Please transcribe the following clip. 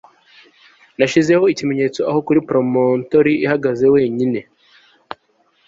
Nashizeho ikimenyetso aho kuri promontory ihagaze wenyine